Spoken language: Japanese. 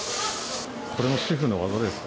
これも主婦の技ですか？